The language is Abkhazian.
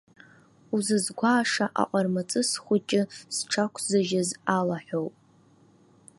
Узызгәааша аҟармаҵыс хәыҷы зҽақәзыжьыз алаҳәоуп.